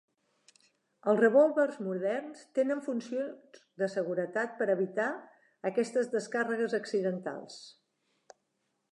Els revòlvers moderns tenen funcions de seguretat per evitar aquestes descàrregues accidentals.